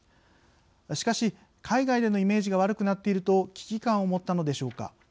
しかし海外でのイメージが悪くなっていると危機感を持ったのでしょうか。